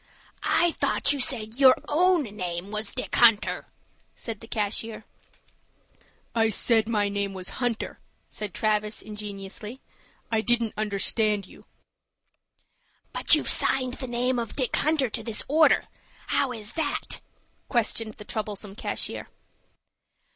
"I thought you said your own name was Dick Hunter," said the cashier. "I said my name was Hunter," said Travis, ingeniously. "I didn't understand you." "But you've signed the name of Dick Hunter to this order. How is that?" questioned the troublesome cashier.